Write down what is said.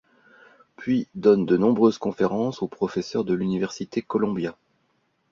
Puis donne de nombreuses conférences aux professeurs de l'Université Columbia.